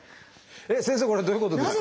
先生これどういうことですか？